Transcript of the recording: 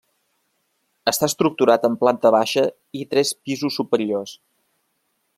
Està estructurat en planta baixa i tres pisos superiors.